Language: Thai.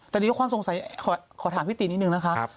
แต่ทุกคนสงสัยขอถามพี่ตีนนิดนึงนะครับ